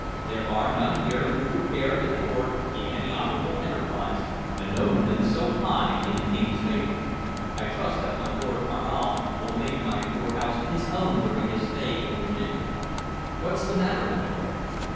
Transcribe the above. "There are none here who would care to thwart, in any honorable enterprise, a nobleman so high in the King's favor. I trust that my Lord Carnal will make my poor house his own during his stay in Virginia What's the matter, my lord?"